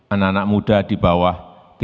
anak anak muda di bawah